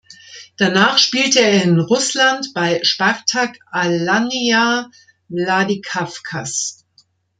Danach spielte er in Russland bei Spartak Alanija Wladikawkas.